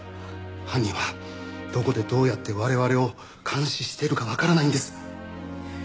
犯人はどこでどうやって我々を監視しているかわからないんです！